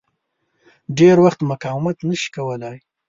ډېر وخت مقاومت نه شي کولای.